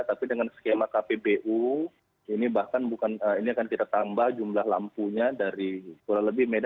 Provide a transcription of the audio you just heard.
tapi dengan skema kpbu ini bahkan bukan ini akan kita tambah jumlah lampunya dari kurang lebih dari sepuluh juta